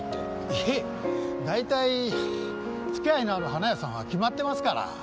いえ大体付き合いのある花屋さんは決まってますから。